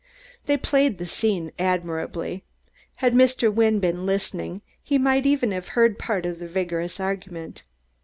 They played the scene admirably; had Mr. Wynne been listening he might even have heard part of the vigorous argument.